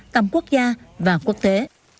tầm quốc gia và quốc tế